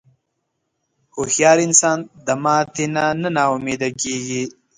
هوښیار انسان د ماتې نه نا امیده نه کېږي.